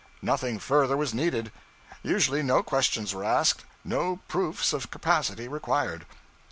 Nothing further was needed; usually no questions were asked, no proofs of capacity required.